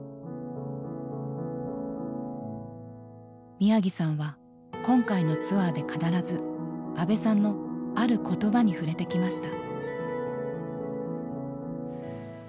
宮城さんは今回のツアーで必ず安部さんのある言葉に触れてきました。